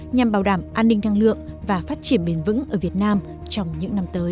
nhằm bảo đảm an ninh năng lượng và phát triển bền vững ở việt nam trong những năm tới